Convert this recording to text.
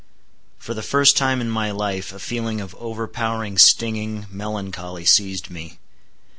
For the first time in my life a feeling of overpowering stinging melancholy seized me.